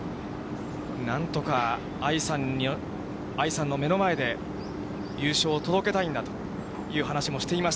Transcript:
なんとか藍さんの目の前で優勝を届けたいんだという話もしていま